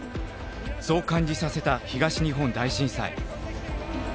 そう感じさせた東日本大震災。